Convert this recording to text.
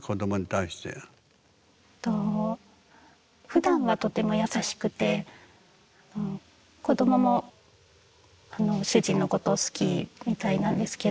ふだんはとても優しくて子どももあの主人のことを好きみたいなんですけど。